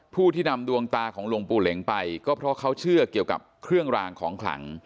ผู้ที่นำดวงตาของหลวงปู่เหล็งไปก็เพราะเขาเชื่อเกี่ยวกับเครื่องรางของขลัง